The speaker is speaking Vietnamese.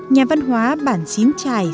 nhà văn hóa bản xín trài